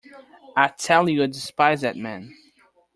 I tell you I despise that man.